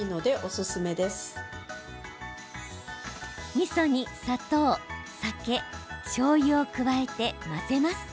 みそに砂糖、酒、しょうゆを加えて混ぜます。